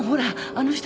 あの人。